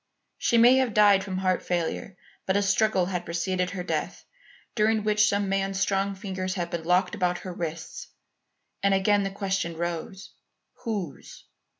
She may have died from heart failure, but a struggle had preceded her death, during which some man's strong fingers had been locked about her wrists. And again the question rose, Whose?